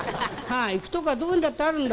行くとこはどこにだってあるんだ」。